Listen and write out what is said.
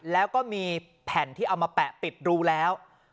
แล้วก็มีแผ่นที่เอามาแปะปิดรูแล้ว